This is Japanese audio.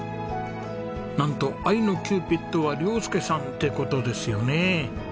なんと愛のキューピッドは亮佑さんって事ですよね？